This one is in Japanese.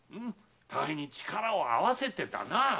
互いに力を合わせてだな。